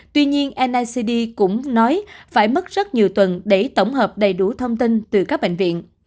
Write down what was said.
tuy nhiên nicd cũng nói phải mất rất nhiều tuần để tổng hợp đầy đủ thông tin từ các bệnh viện